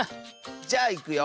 じゃあいくよ。